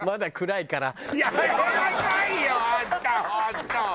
やめなさいよあんた本当！